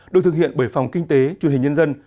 được thực hiện bởi phòng kinh tế truyền hình nhân dân